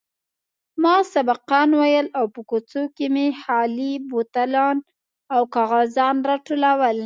ما سبقان ويل او په کوڅو کښې مې خالي بوتلان او کاغذان راټولول.